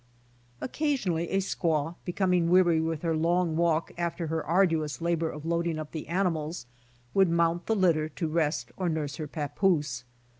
Occasionally a squaw, becoming weary with her long walk after her arduous labor of loading up the animals, would mount the litter to rest or nurse her papoose.